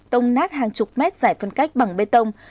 tông nát hàng chục mét giải phân cách bằng bê tông